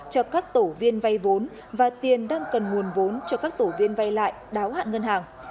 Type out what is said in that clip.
cho các tổ viên vay vốn và tiền đang cần nguồn vốn cho các tổ viên vay lại đáo hạn ngân hàng